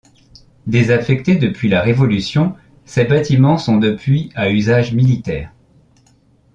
Désaffectés depuis la Révolution, ses bâtiments sont depuis à usage militaire.